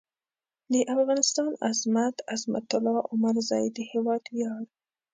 د افغانستان عظمت؛ عظمت الله عمرزی د هېواد وېاړ